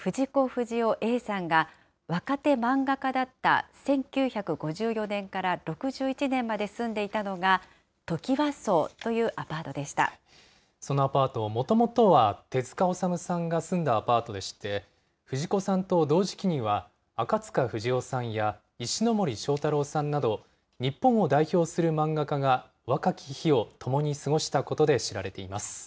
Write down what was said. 不二雄Ａさんが、若手漫画家だった１９５４年から６１年まで住んでいたのがトキワそのアパート、もともとは手塚治虫さんが住んだアパートでして、藤子さんと同時期には、赤塚不二夫さんや石ノ森章太郎さんなど、日本を代表する漫画家が、若き日を共に過ごしたことで知られています。